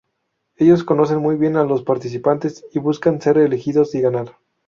Ellos conocen muy bien a los participantes y buscan ser elegidos y ganar.